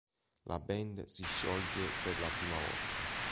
La band si scioglie per la prima volta.